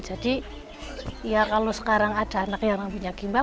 jadi ya kalau sekarang ada yang berambut gimbal itu memang ada yang rambutnya gimbal